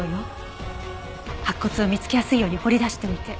白骨を見つけやすいように掘り出しておいて。